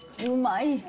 うまい。